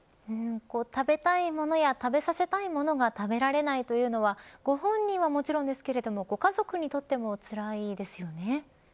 食べたいものや食べさせたいものが食べられないというのはご本人はもちろんですけれどもご家族にとってもつらいですよね。